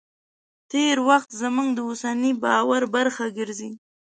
تېر وخت زموږ د اوسني باور برخه ګرځي.